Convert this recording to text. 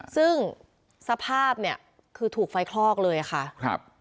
ซึ่งสภาพเนี่ยคือถูกไฟคลอกเลยค่ะครับ